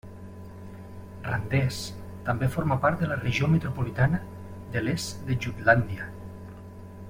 Randers també forma part de la Regió metropolitana de l'est de Jutlàndia.